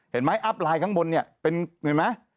เห็นไหมอัพไลน์ข้างบนเนี่ยเป็นเห็นไหม